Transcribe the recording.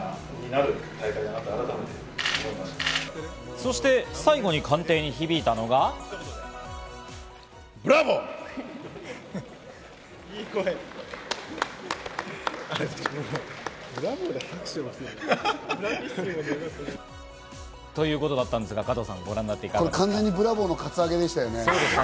そして最後に官邸に響いたのが。ということだったんですが、完全にブラボー！のカツアゲでしたね。